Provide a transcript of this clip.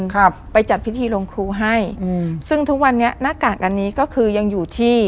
ครับไปจัดพิธีลงครูให้อืมซึ่งทุกวันนี้หน้ากากอันนี้ก็คือยังอยู่ที่